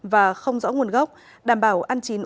và không rõ nguồn gốc đảm bảo ăn chín